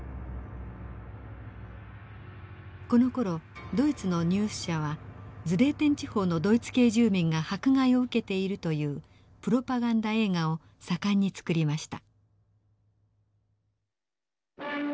このころドイツのニュース社はズデーテン地方のドイツ系住民が迫害を受けているというプロパガンダ映画を盛んに作りました。